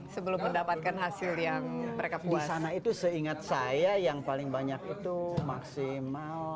sebelum mendapatkan hasil yang mereka puas sana itu seingat saya yang paling banyak itu maksimal